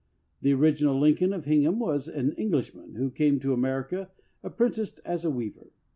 The original Lincoln of Hingham was an Englishman who came to America apprenticed as a weaver.